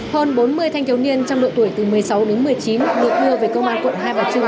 hơn bốn mươi thanh thiếu niên trong độ tuổi từ một mươi sáu đến một mươi chín được đưa về công an quận hai bà trưng